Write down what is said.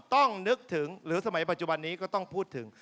ต้องนึกถึงหรือสมัยปัจจุบันนี้ก็ต้องพูดถึง